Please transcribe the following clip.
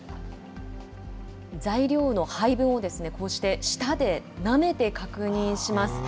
材料の配分をこうして舌でなめて確認します。